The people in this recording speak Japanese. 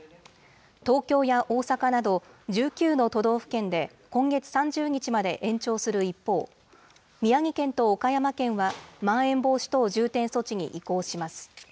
東京や大阪など、１９の都道府県で今月３０日まで延長する一方、宮城県と岡山県はまん延防止等重点措置に移行します。